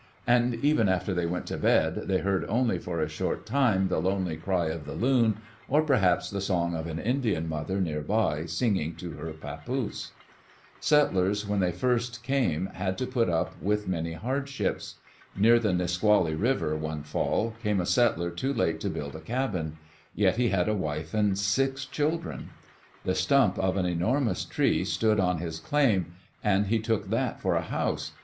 And even after they went to bed, they heard only for a short time the lonely cry of the loon, or perhaps the song of an Indian mother near by, singing to her papoose. Settlers when they first came had to put up with many hardships. Near the Nisqually River, one fall, came a Digitized by VjOOQ IC THE LIFE PF THE CHILDREN settler too late to build a cabin. Yet he had a wife and six children. The stump of an enormous tree stood on his "claim" and he took that for a house.